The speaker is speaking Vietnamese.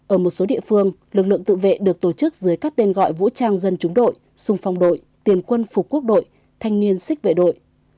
ở một số địa phương lực lượng tự vệ được tổ chức dưới các tên gọi vũ trang dân chúng đội xung phong đội tiền quân phục quốc đội thanh niên xích vệ đội